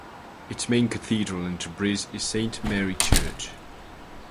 Its main cathedral in Tabriz is Saint Mary Church.